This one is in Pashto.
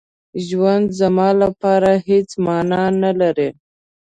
ژوند زما لپاره هېڅ مانا نه لري.